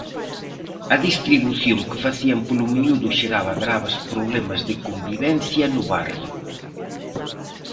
A distribución que facían polo miúdo xeraba graves problemas de convivencia no barrio.